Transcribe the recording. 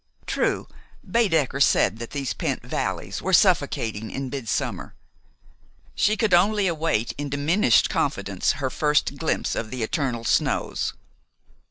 True, Baedeker said that these pent valleys were suffocating in midsummer. She could only await in diminished confidence her first glimpse of the eternal snows.